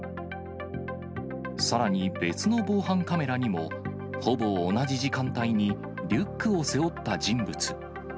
さらに別の防犯カメラにも、ほぼ同じ時間帯にリュックを背負った人物。